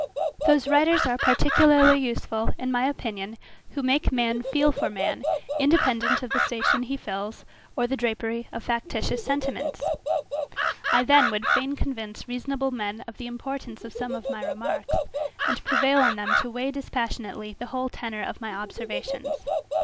Those writers are particularly useful, in my opinion, who make man feel for man, independent of the station he fills, or the drapery of factitious sentiments. I then would fain convince reasonable men of the importance of some of my remarks and prevail on them to weigh dispassionately the whole tenor of my observations.